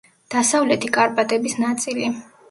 დასავლეთი კარპატების ნაწილი.